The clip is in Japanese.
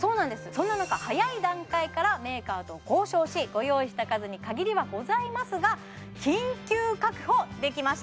そんな中早い段階からメーカーと交渉しご用意した数に限りはございますが緊急確保できました